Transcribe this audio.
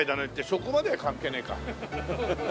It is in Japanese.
そこまでは関係ねえか。